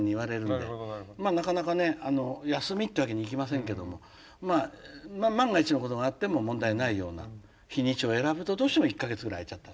まあなかなかね休みっていうわけにいきませんけどもまあ万が一のことがあっても問題ないような日にちを選ぶとどうしても１か月ぐらい空いちゃったですね。